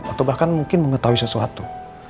atau bahkan mungkin mengetahui sesuatu